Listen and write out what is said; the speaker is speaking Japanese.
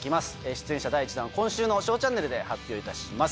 出演者第１弾は今週の『ＳＨＯＷチャンネル』で発表いたします。